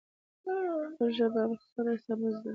خپله ژبه پخپله سمه زدکړئ.